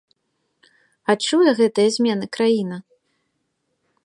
Адчуе гэтыя змены краіна?